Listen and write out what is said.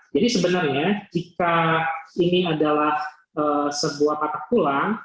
jadi sebenarnya jika ini adalah sebuah patah tulang